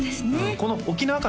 この沖縄感